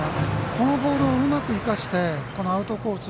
このボールをうまく生かしてアウトコース